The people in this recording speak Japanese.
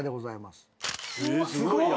すごいな。